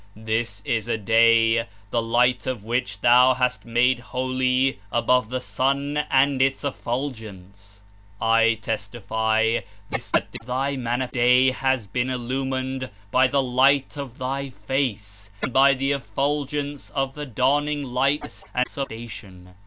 This is a day, the Light of which Thou hast made holy above the sun and its effulgence. I testify that this day has been illumined by the Light of Thy Face and by the Effulgence of the dawning lights of Thy Manifestation.